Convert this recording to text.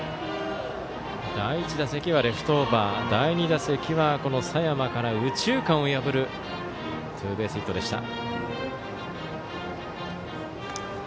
第１打席はレフトオーバー第２打席は佐山から右中間を破るツーベースヒットでした。